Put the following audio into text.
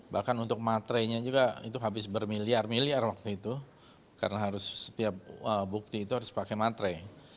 bahkan untuk matrenya juga itu habis bermiliar miliar waktu itu karena harus setiap bukti itu harus pakai matre